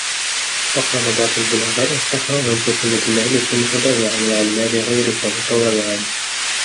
وَقَالَ بَعْضُ الْبُلَغَاءِ السَّخَاءُ أَنْ تَكُونَ بِمَالِك مُتَبَرِّعًا وَعَنْ مَالِ غَيْرِك مُتَوَرِّعًا